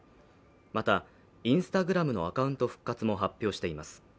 またＩｎｓｔａｇｒａｍのアカウント復活も発表しています。